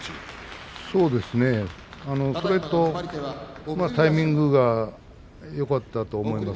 そうですね、それとタイミングがよかったと思います。